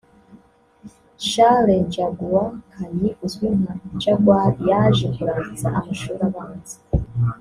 Charles Njagua Kanyi uzwi nka Jaguar yaje kurangiza amashuri abanza